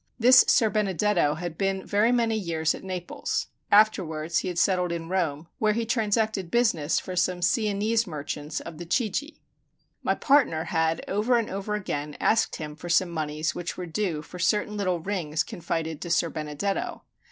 This Ser Benedetto had been very many years at Naples; afterwards he had settled in Rome, where he transacted business for some Sienese merchants of the Chigi. My partner had over and over again asked him for some moneys which were due for certain little rings confided to Ser Benedetto.